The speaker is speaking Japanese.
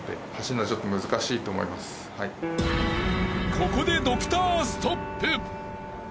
［ここでドクターストップ］